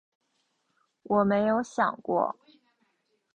我没有想过